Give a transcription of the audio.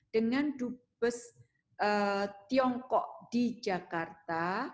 dengan dut bes tiongkok di jakarta